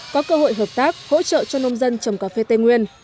có cơ hội hợp tác hỗ trợ cho nông dân trồng cà phê tây nguyên